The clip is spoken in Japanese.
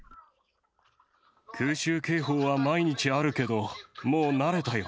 空襲警報は毎日あるけど、もう慣れたよ。